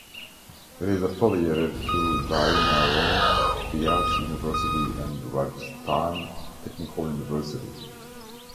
It is affiliated to Jai Narain Vyas University and Rajasthan Technical University.